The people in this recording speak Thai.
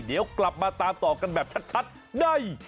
เดี๋ยวกลับมาตามต่อกันแบบชัดได้